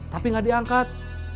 tapi gak diangkat